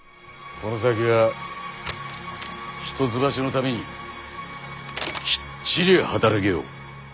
この先は一橋のためにきっちり働けよ。